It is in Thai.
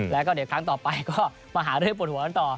แล้วก็เดี๋ยวครั้งต่อไปก็มาหาเรื่องปวดหัวกันต่อ